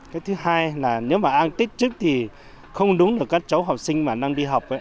cái thứ hai là nếu mà ăn tết trước thì không đúng được các cháu học sinh mà đang đi học